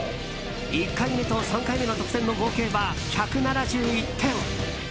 １回目と３回目の得点の合計は１７１点。